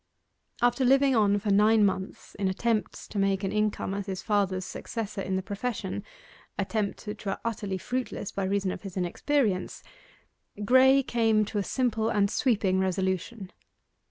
After living on for nine months in attempts to make an income as his father's successor in the profession attempts which were utterly fruitless by reason of his inexperience Graye came to a simple and sweeping resolution.